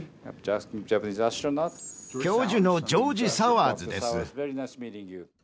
教授のジョージ・サワーズです。